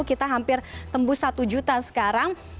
kita hampir tembus satu juta sekarang